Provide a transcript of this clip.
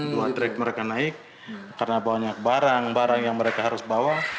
dua trek mereka naik karena banyak barang barang yang mereka harus bawa